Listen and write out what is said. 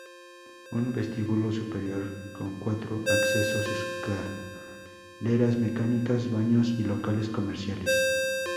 Un vestíbulo superior con cuatro accesos, escaleras mecánicas, baños y locales comerciales.